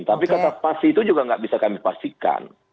tapi kata pasti itu juga nggak bisa kami pastikan